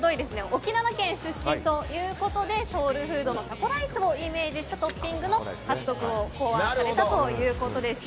沖縄県出身ということでソウルフードのタコライスをイメージしたトッピングのハットグを考案されたということです。